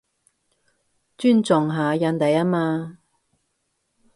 尊重下人哋吖嘛